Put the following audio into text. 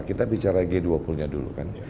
kita bicara g dua puluh nya dulu kan